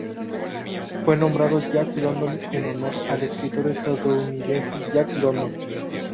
Fue nombrado Jack London en honor al escritor estadounidense Jack London.